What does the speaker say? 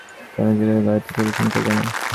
কেন যে আপনাকে গাড়িতে তুলেছিলাম কে জানে।